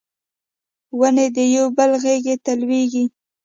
ونې د یو بل غیږ ته لویږي